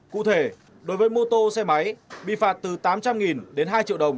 cụ thể đối với mô tô xe máy bị phạt từ tám trăm linh đến hai triệu đồng